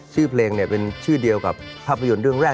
ชื่อเพลงเป็นชื่อเดียวกับภาพยนตร์เรื่องแรก